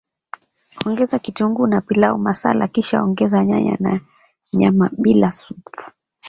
Ongeza kitunguu na pilau masala kisha ongeza nyanya na nyama bila supu